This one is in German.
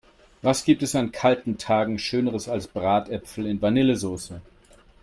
Was gibt es an kalten Tagen schöneres als Bratäpfel in Vanillesoße!